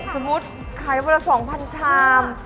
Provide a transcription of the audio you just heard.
สมมุติขายเวลา๒๐๐๐ชาม